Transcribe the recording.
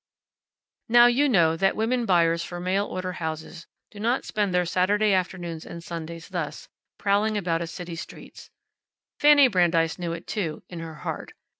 Now, you know that women buyers for mail order houses do not spend their Saturday afternoons and Sundays thus, prowling about a city's streets. Fanny Brandeis knew it too, in her heart.